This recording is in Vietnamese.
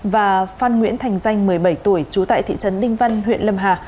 và phan nguyễn thành danh một mươi bảy tuổi trú tại thị trấn đinh văn huyện lâm hà